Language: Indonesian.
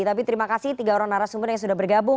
tapi terima kasih tiga orang narasumber yang sudah bergabung